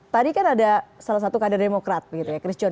tadi kan ada salah satu kandar demokrat christian